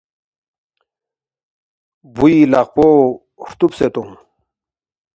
بُوی لقپو ہرتُوبسے تونگ